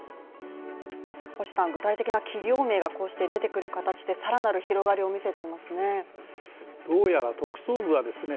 具体的な企業名がこうして出てくる形で更なる広がりを見せていますね。